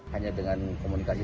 hanya dengan komunikasi